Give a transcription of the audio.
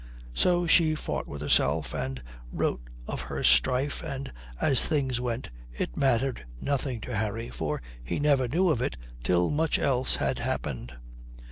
So she fought with herself and wrote of her strife, and, as things went, it mattered nothing to Harry, for he never knew of it till much else had happened.